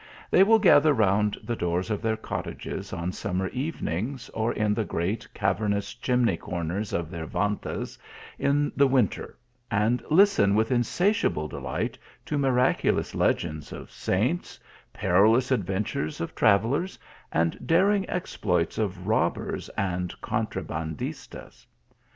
They will gather round the doors of their cottages 21 summer evenings, or in the great cavernous chimney corners of their ventas in the winter, and listen with insatiable delight to miraculous legends of saints, per ilous adventures of travellers, and daring exploits of robbers and contrabandistas.